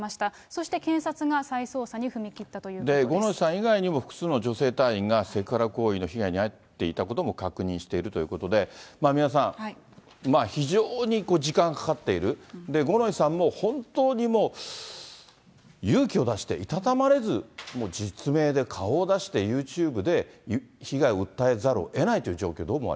そして検察が再捜査に踏み切った五ノ井さん以外にも、複数の女性隊員がセクハラ行為の被害に遭っていたことも確認しているということで、三輪さん、非常に時間がかかっている、五ノ井さんも本当にもう勇気を出して、いたたまれず、実名で顔を出してユーチューブで被害を訴えざるをえないという状